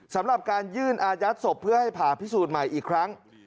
สำหรับการยื่นอายัดศพเพื่อให้ผ่าพิสูจน์ใหม่อีกครั้ง